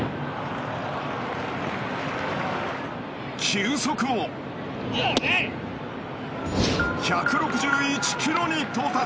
球速も１６１キロに到達。